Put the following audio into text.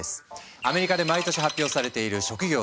アメリカで毎年発表されている職業の魅力度